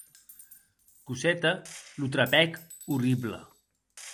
Cosette lo trapèc orrible.